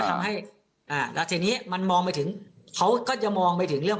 อ่าแล้วทีนี้มันมองไปถึงเขาก็จะมองไปถึงเรื่อง